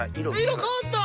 色変わった！